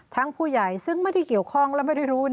ผู้ใหญ่ซึ่งไม่ได้เกี่ยวข้องและไม่ได้รู้